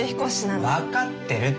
分かってるって。